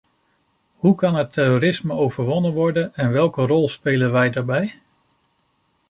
Hoe kan het terrorisme overwonnen worden en welke rol spelen wij daarbij?